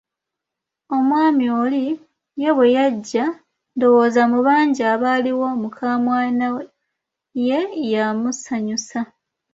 Omwami oli ,ye bwe yajja ,ndowooza mu bangi abaaliwo mukaamwana ye yamusanyusa.